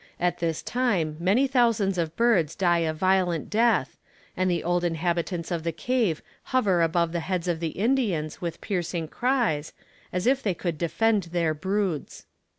At this time many thousands of birds die a violent death, and the old inhabitants of the cave hover above the heads of the Indians with piercing cries, as if they would defend their broods.